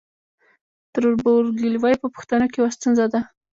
تربورګلوي په پښتنو کې یوه ستونزه ده.